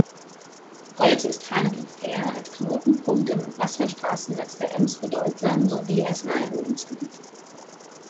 Heute ist Hanekenfähr als Knotenpunkt im Wasserstraßennetz der Ems bedeutsam sowie als Naherholungsgebiet.